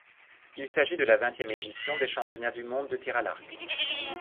Il s'agit de la vingtième édition des championnats du monde de tir à l'arc.